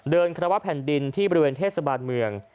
คารวะแผ่นดินที่บริเวณเทศบาลเมือง